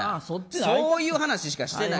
そういう話しかしてない。